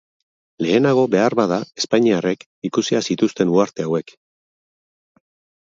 Lehenago, beharbada, espainiarrek ikusiak zituzten uharte hauek.